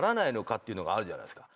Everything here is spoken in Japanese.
っていうのがあるじゃないですか